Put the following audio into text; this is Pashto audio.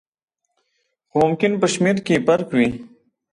خو ممکن په شمېر کې یې فرق وي.